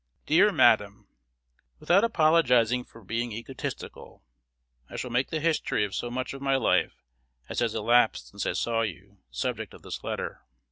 Dear Madam, Without appologising for being egotistical, I shall make the history of so much of my life as has elapsed since I saw you the subject of this letter.